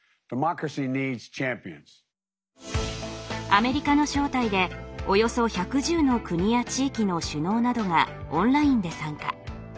アメリカの招待でおよそ１１０の国や地域の首脳などがオンラインで参加。